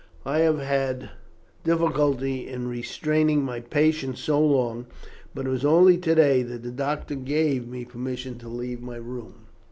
I have had difficulty in restraining my patience so long; but it was only to day that the doctor gave me permission to leave my room."